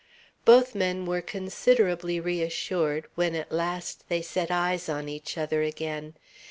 Both men were considerably reassured when at last they set eyes on each other again.